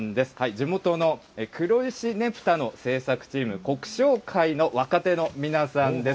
地元の黒石ねぷたの製作チーム、黒昇会の若手の皆さんです。